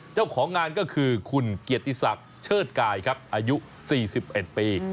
เจ้าของงานก็คือคุณเกียรติศักดิ์เชิดกายครับอายุ๔๑ปี